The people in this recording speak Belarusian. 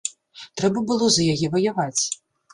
Трэба было за яе ваяваць.